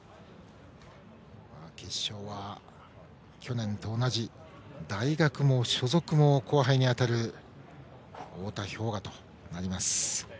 決勝は去年と同じ大学も所属も後輩に当たる太田彪雅となります。